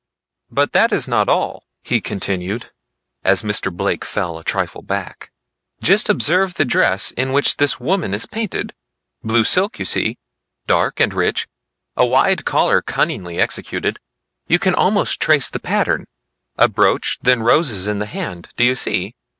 But that is not all," he continued as Mr. Blake fell a trifle aback; "just observe the dress in which this woman is painted; blue silk you see, dark and rich; a wide collar cunningly executed, you can almost trace the pattern; a brooch; then the roses in the hand, do you see?